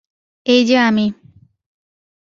এই যে আমি।